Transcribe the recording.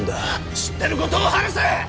知ってることを話せ！